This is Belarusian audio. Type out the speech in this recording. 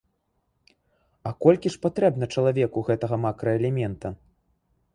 А колькі ж патрэбна чалавеку гэтага макраэлемента?